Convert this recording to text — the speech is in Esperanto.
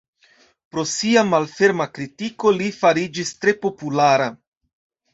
Pro sia malferma kritiko li fariĝis tre populara.